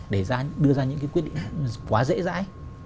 để đưa ra những cái quyết định quá dễ dãi